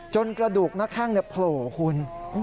จนกระดูกหน้าข้างเนื้อโผล่คุณ